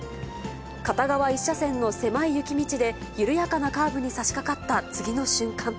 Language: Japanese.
片側１車線の狭い雪道で、緩やかなカーブにさしかかった次の瞬間。